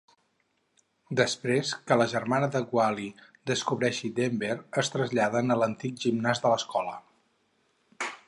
Després que la germana de Wally descobreixi Denver es traslladen a l'antic gimnàs de l'escola.